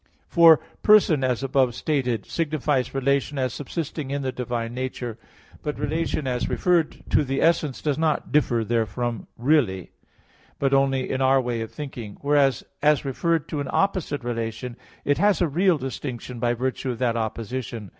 For person, as above stated (Q. 29, A. 4), signifies relation as subsisting in the divine nature. But relation as referred to the essence does not differ therefrom really, but only in our way of thinking; while as referred to an opposite relation, it has a real distinction by virtue of that opposition.